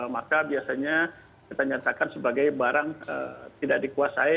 maka biasanya kita nyatakan sebagai barang tidak dikuasai